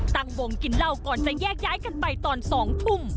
ตั้งวงกินเหล้าก่อนจะแยกย้ายกันไปตอน๒ทุ่ม